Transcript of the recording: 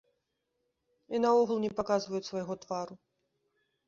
І наогул не паказваюць свайго твару.